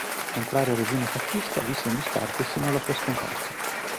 Contrario al regime fascista, visse in disparte sino alla sua scomparsa.